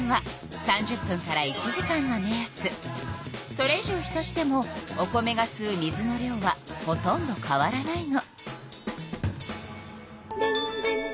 それ以上浸してもお米がすう水の量はほとんど変わらないの。